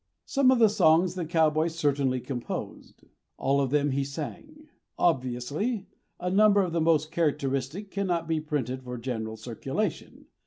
Some of the songs the cowboy certainly composed; all of them he sang. Obviously, a number of the most characteristic cannot be printed for general circulation.